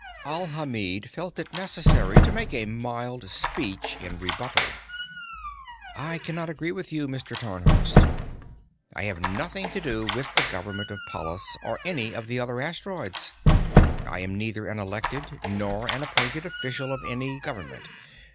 Alhamid felt it necessary to make a mild speech in rebuttal. "I cannot agree with you, Mr. Tarnhorst. I have nothing to do with the government of Pallas or any of the other asteroids. I am neither an elected nor an appointed official of any government.